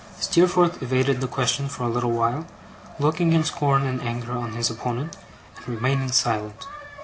Steerforth evaded the question for a little while; looking in scorn and anger on his opponent, and remaining silent.